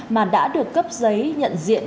mà đã được cấp giấy nhận diện